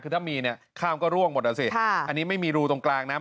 คือถ้ามีเนี่ยข้ามก็ร่วงหมดอ่ะสิอันนี้ไม่มีรูตรงกลางนะ